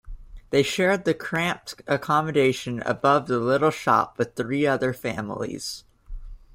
They shared the cramped accommodation above the little shop with three other families.